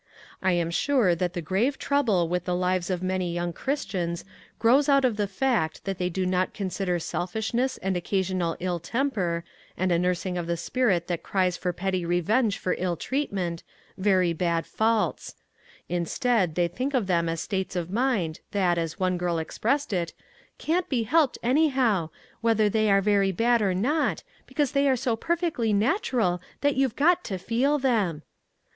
I am sure that the grave trouble with the lives of many young Christians grows out of the fact that they do not consider selfishness and occa sional ill temper, and a nursing of the spirit that cries for petty revenge for ill treatment, very bad faults ; instead, they think of them as 337 MAG AND MARGARET states of mind that, as one girl expressed it, " can't be helped, anyhow, whether they are very bad or not, because they are so perfectly natural that you've got to feel them